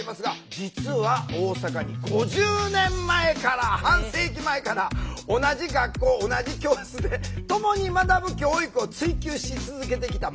実は大阪に５０年前から半世紀前から同じ学校同じ教室でともに学ぶ教育を追求し続けてきた町があるんです。